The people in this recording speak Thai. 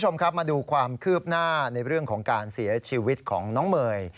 มาดูความคืบหน้าในเรื่องของการเสียชีวิตของน้องเมย์